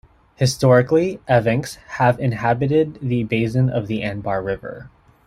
Historically Evenks have inhabited the basin of the Anabar River.